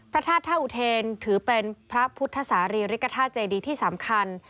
พระธาตุท่าอุเทนถือเป็นพระพุทธสารีริกฐาตุเจดีที่สำคัญ